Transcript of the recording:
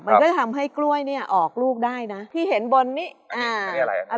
มันก็จะทำให้กล้วยเนี่ยออกลูกได้นะพี่เห็นบนนี้อ่านี่อะไร